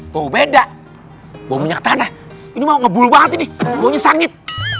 mau beda mau minyak tanah ini mau ngebul banget ini baunya sangit